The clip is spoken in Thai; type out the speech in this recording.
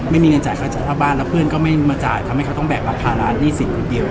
ไม่มีเงินจ่ายค่าบ้านแล้วเพื่อนก็ไม่มาจ่ายทำให้เขาต้องแบกรับภาระหนี้สินนิดเดียว